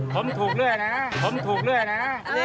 ผมถูกเรื่อยนะผมถูกเรื่อยนะ